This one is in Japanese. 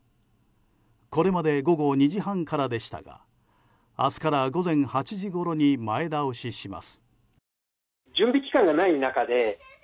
これまで午後２時半からでしたが明日から午前８時ごろに前倒しします。